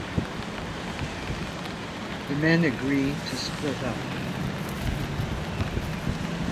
The men agree to split up.